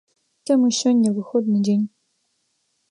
Таму сёння выходны дзень.